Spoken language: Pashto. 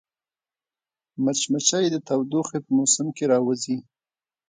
مچمچۍ د تودوخې په موسم کې راووځي